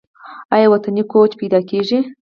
آیا وطني کوچ پیدا کیږي؟